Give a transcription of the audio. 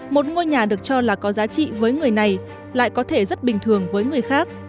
một ngôi nhà được cho là có giá trị với người này lại có thể rất bình thường với người khác